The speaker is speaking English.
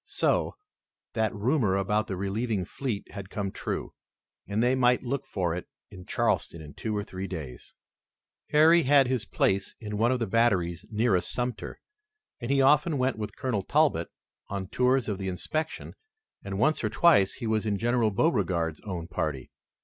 So, that rumor about the relieving fleet had come true and they might look for it in Charleston in two or three days. Harry had his place in one of the batteries nearest Sumter, and he often went with Colonel Talbot on tours of inspection and once or twice he was in General Beauregard's own party.